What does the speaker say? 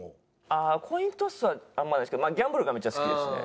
ああコイントスはあんまりですけどギャンブルがめっちゃ好きですね。